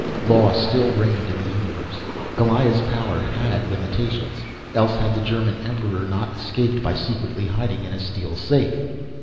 Law still reigned in the universe. Goliah's power had limitations, else had the German Emperor not escaped by secretly hiding in a steel safe.